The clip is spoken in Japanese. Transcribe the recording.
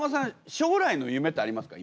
将来の夢ってありますか？